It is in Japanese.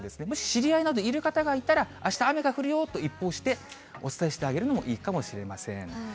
もし知り合いなどいる方がいたら、あした雨が降るよと、一報してお伝えしてあげるのもいいかもしれません。